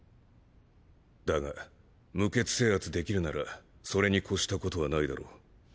だが無血制圧できるならそれに越したことはないだろう。